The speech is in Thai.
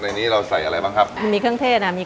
ในนี้เราใส่อะไรบ้างครับมันมีเครื่องเทศอ่ะมี